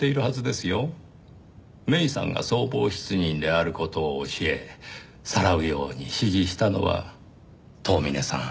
芽依さんが相貌失認である事を教えさらうように指示したのは遠峰さん